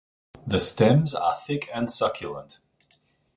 The stems are thick and succulent.